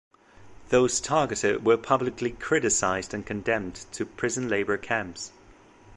Those targeted were publicly criticized and condemned to prison labor camps.